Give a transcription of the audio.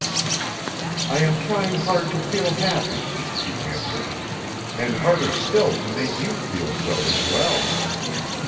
"I am trying hard to feel happy," she answered, "and harder still to make you feel so as well."